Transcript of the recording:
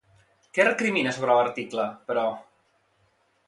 Què recrimina sobre l'article, però?